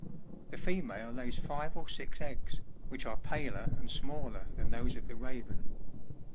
The female lays five or six eggs, which are paler and smaller than those of the Raven.